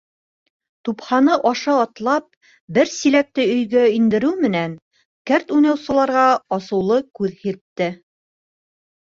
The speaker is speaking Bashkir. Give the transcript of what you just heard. Тупһаны аша атлап, бер силәкте өйгә индереү менән, кәрт уйнаусыларға асыулы күҙ һирпте.